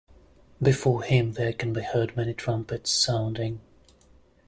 Before him there can be heard many trumpets sounding.